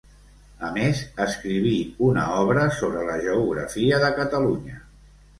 A més escriví una obra sobre la geografia de Catalunya.